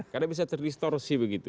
karena bisa terdistorsi begitu